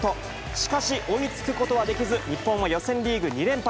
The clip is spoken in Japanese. しかし、追いつくことはできず、日本は予選リーグ２連敗。